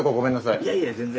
いやいや全然。